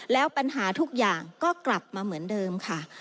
แล้วปัญหาทุกอย่างก็กลับมาเหมือนเดิมค่ะ